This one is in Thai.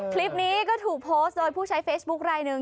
คลิปนี้ก็ถูกโพสต์โดยผู้ใช้เฟซบุ๊คลายหนึ่ง